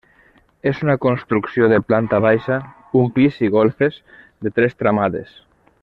És una construcció de planta baixa, un pis i golfes, de tres tramades.